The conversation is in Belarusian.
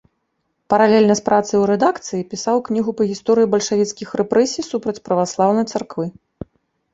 Паралельна з працай у рэдакцыі пісаў кнігу па гісторыі бальшавіцкіх рэпрэсій супраць праваслаўнай царквы.